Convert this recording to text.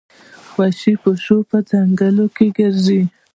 وحشي پیشو په ځنګل کې ګرځي.